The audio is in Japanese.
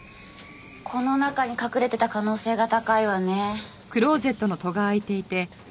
この中に隠れてた可能性が高いわね。